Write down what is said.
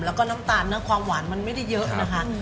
แล้วก็น้ำตาลนะความหวานมันไม่ได้เยอะนะคะ